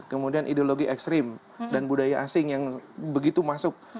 kemudian ideologi ekstrim dan budaya asing yang begitu masuk